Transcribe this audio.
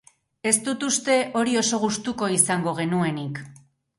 Ez dut uste hori oso gustuko izango genuenik!